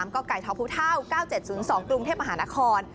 กกกทพเก๙๗๐๒กรุงเทพอาหาระคร